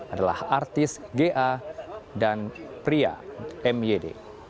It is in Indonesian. adalah artis ga dan pria myd